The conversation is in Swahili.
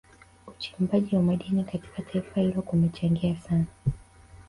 Uchimbaji wa madini katika taifa hilo kumechangia sana